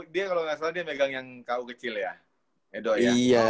dia kalau nggak salah dia megang yang ku kecil ya edo ya